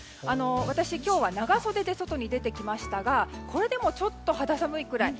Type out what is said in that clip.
私、今日は長袖で外に出てきましたがこれでもちょっと肌寒いくらい。